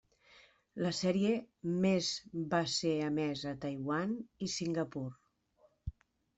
La sèrie més va ser emesa a Taiwan i Singapur.